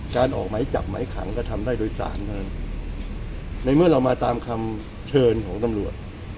การออกไหมจับไหมขังก็ทำได้โดยศาลเท่านั้นในเมื่อเรามาตามคำเชิญของตำรวจ